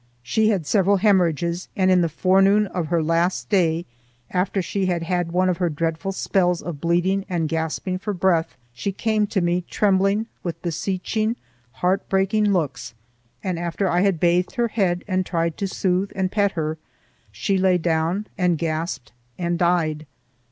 She had several hemorrhages, and in the forenoon of her last day, after she had had one of her dreadful spells of bleeding and gasping for breath, she came to me trembling, with beseeching, heartbreaking looks, and after I had bathed her head and tried to soothe and pet her, she lay down and gasped and died.